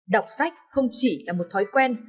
đọc sách không chỉ là một thói quen